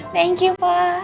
thank you pak